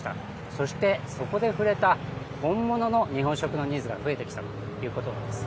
そしてそこで触れた本物の日本食のニーズが増えてきたということです。